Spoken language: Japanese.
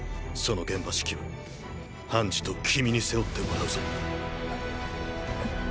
その現場指揮はハンジと君に背負ってもらうぞ。